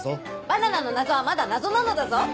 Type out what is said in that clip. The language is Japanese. バナナの謎はまだ謎なのだぞ。